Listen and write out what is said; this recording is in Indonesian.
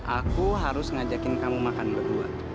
aku harus ngajakin kamu makan berdua